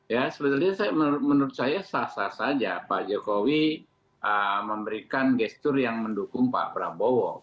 ya sebetulnya menurut saya sah sah saja pak jokowi memberikan gestur yang mendukung pak prabowo